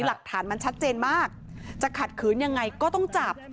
หลักฐานมันชัดเจนมากจะขัดขืนยังไงก็ต้องจับ